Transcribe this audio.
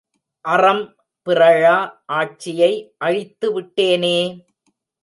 அறம் பிறழா ஆட்சியை அழித்து விட்டேனே!